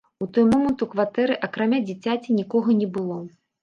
У той момант у кватэры, акрамя дзіцяці, нікога не было.